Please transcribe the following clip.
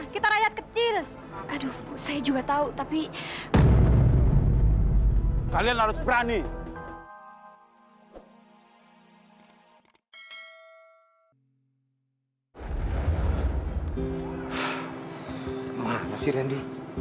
kemana sih randy